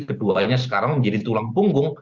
keduanya sekarang menjadi tulang punggung